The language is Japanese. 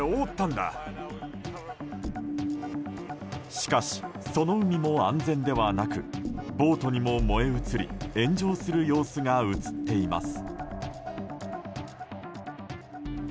しかし、その海も安全ではなくボートにも燃え移り炎上する様子が映っています。